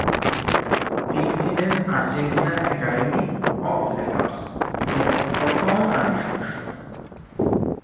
তিনি ছিলেন Argentina Academy of লেটারস-এর প্রথম নারী সদস্য।